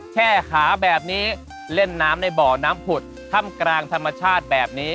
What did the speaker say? แค่ขาแบบนี้เล่นน้ำในบ่อน้ำผุดถ้ำกลางธรรมชาติแบบนี้